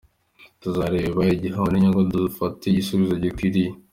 Tuzareba igihombo n’inyungu, dufate igisubizo gikwiriye.